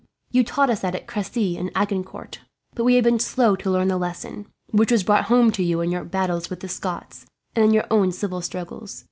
You taught us that at Cressy and Agincourt; but we have been slow to learn the lesson, which was brought home to you in your battles with the Scots, and in your own civil struggles.